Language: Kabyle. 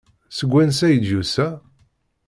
Seg wansi ay d-yusa?